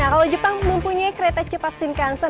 nah kalau jepang mempunyai kereta cepat shinkansen